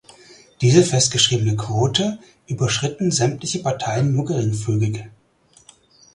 Diese festgeschriebene Quote überschritten sämtliche Parteien nur geringfügig.